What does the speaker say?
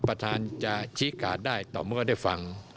ประธานจะชี้การได้ต่อเมื่อได้ฟัง